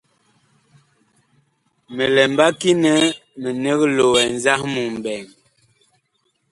Mi lɛ mbaki nɛ minig loɛ nzahmu ɓɛɛŋ.